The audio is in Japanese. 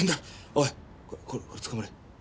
おいこれつかまれ。